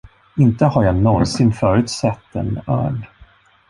Inte har jag nånsin förut sett en örn.